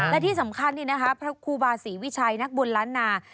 และที่สำคัญนี่นะคะพระครูบาศรีวิชัยนักบุญล้านนา